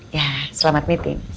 ya selamat meeting